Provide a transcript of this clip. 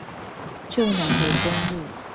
舊南迴公路